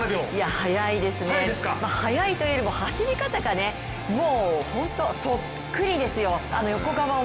速いですね、速いというよりも走り方がもうそっくりですよ、横顔も。